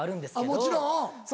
もちろん。